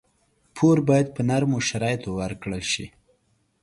پور باید په نرمو شرایطو ورکړل شي.